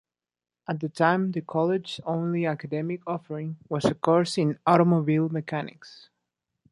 At the time, the College's only academic offering was a course in automobile mechanics.